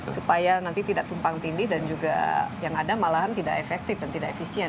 supaya nanti tidak tumpang tindih dan juga yang ada malahan tidak efektif dan tidak efisien